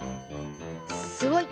すごい！